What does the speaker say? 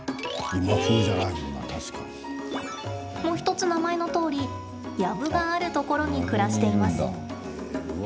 もう１つ名前のとおり藪があるところに暮らしています。